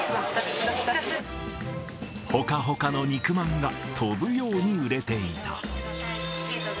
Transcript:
ほかほかの肉まんが飛ぶように売れていた。